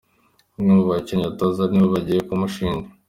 Bamwe mu bakinnyi atoza nibo bagiye kumushinja.